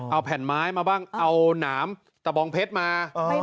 เอาแผ่นไม้มาบ้างเอาหนามตะบองเพชรมา